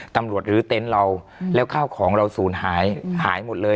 หรือเต็นต์เราแล้วข้าวของเราศูนย์หายหายหมดเลย